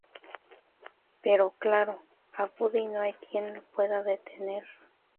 Pero, claro, a Buddy no hay quien lo pueda detener.